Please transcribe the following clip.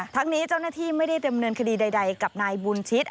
ทั้งนี้เจ้าหน้าที่ไม่ได้ดำเนินคดีใดกับนายบุญชิต